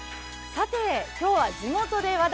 今日は「地元で話題！